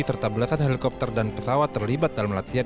serta belasan helikopter dan pesawat terlibat dalam latihan